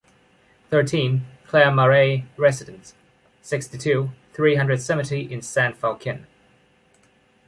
Thirteen, Clair Marais resident, sixty-two, three hundred seventy in Saint-Folquin